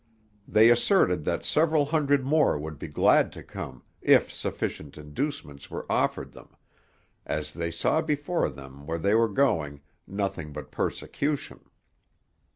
They asserted that several hundred more would be glad to come if sufficient inducements were offered them, as they saw before them where they were nothing but persecution.